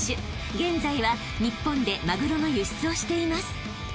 ［現在は日本でマグロの輸出をしています］